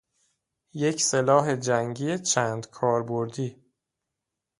یک سلاح جنگی چندکاربردی